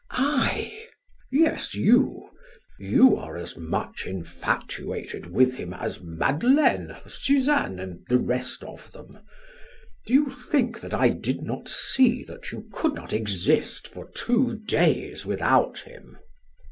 "I?" "Yes, you. You are as much infatuated with him as Madeleine, Suzanne, and the rest of them. Do you think that I did not see that you could not exist for two days without him?"